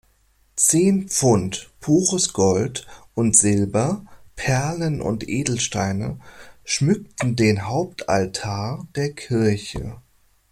Zehn Pfund pures Gold und Silber, Perlen und Edelsteine schmückten den Hauptaltar der Kirche.